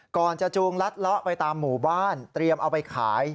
ก่อนจะจูงลัดเลาะไปตามหมู่บ้านเตรียมเอาไปขาย